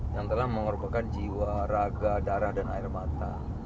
yang telah mengorbankan jiwa raga darah dan air mata